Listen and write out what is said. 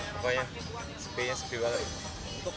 pokoknya sepi nya sepi banget